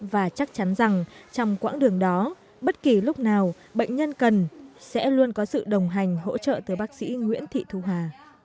và chắc chắn rằng trong quãng đường đó bất kỳ lúc nào bệnh nhân cần sẽ luôn có sự đồng hành hỗ trợ từ bác sĩ nguyễn thị thu hà